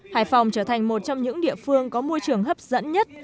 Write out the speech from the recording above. hải phòng trở thành một trong những địa phương có môi trường hấp dẫn nhất